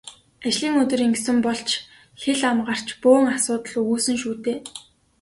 Ажлын өдөр ингэсэн бол ч хэл ам гарч бөөн асуудал үүснэ шүү дээ.